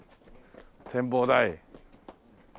展望台。